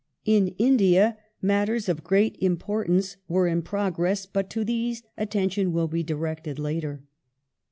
In India matters y of great importance were in progress, but to these attention will be ^ directed later.